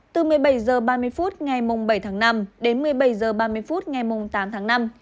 từ một mươi bảy h ba mươi phút ngày bảy tháng năm đến một mươi bảy h ba mươi phút ngày tám tháng năm